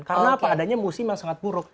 karena apa adanya musim yang sangat buruk